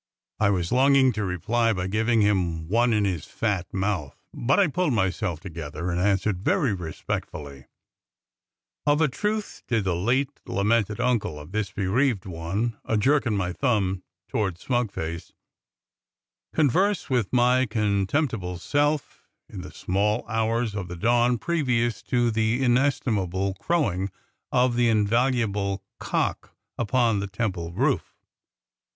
I was longin' to reply by givin' him one in his fat mouth, but I pulled myself together and answered very respectfully : "*0f a truth did the late lamented uncle of this bereaved one' — a jerkin' my thumb towards smug face —* converse with my contemptible self in the small hours of the dawn previous to the inestimable crowing THE SEXTON SPEAKS 185 of the invaluable cock upon the temple roof.